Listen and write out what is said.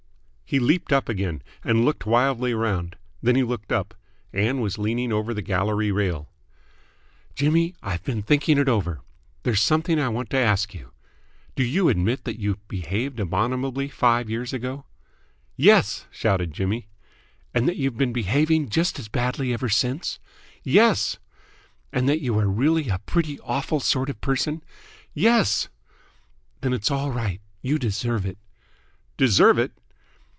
He leaped up again, and looked wildly round. Then he looked up. Ann was leaning over the gallery rail. "Jimmy, I've been thinking it over. There's something I want to ask you. Do you admit that you behaved abominably five years ago?" "Yes!" shouted Jimmy. "And that you've been behaving just as badly ever since?" "Yes!" "And that you are really a pretty awful sort of person?" "Yes!" "Then it's all right. You deserve it!" "Deserve it?"